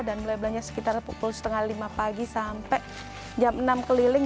dan mulai belanja sekitar pukul setengah lima pagi sampai jam enam keliling